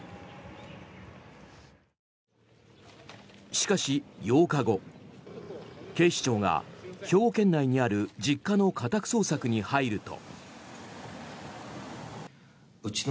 しかし、８日後警視庁が兵庫県内にある実家の家宅捜索に入ると。